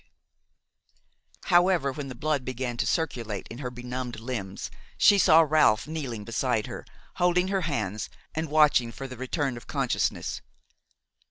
Barrie & Son However, when the blood began to circulate in her benumbed limbs, she saw Ralph kneeling beside her, holding her hands and watching for the return of consciousness.